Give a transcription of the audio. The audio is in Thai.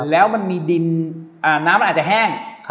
แล้วมันมีดินน้ำมันอาจจะแห้ง